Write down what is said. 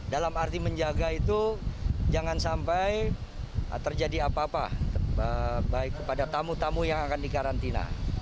dalam arti menjaga itu jangan sampai terjadi apa apa baik kepada tamu tamu yang akan dikarantina